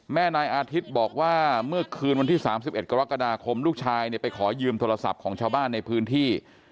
แม่นายอาทิตย์บอกว่าเมื่อคืนวันที่๓๑กรกฎาคมลูกชายเนี่ยไปขอยืมโทรศัพท์ของชาวบ้านในพื้นที่